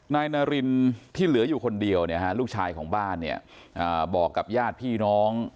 นายนารินที่เหลืออยู่คนเดียวลูกชายของบ้านเนี่ยบอกกับญาติพี่น้อง